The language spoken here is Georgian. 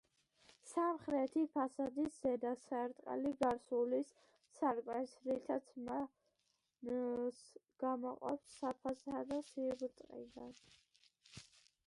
სამხრეთი ფასადის ზედა სარტყელი გარს უვლის სარკმელს, რითაც მას გამოჰყოფს საფასადო სიბრტყიდან.